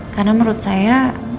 karena menurut saya